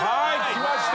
きました。